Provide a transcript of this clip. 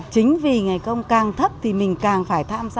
chính vì ngày công càng thấp thì mình càng phải tham gia